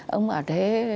ông ở thế